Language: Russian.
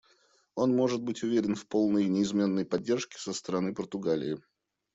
Он может быть уверен в полной и неизменной поддержке со стороны Португалии.